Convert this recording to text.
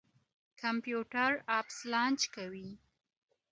کمپيوټر اپس لانچ کوي.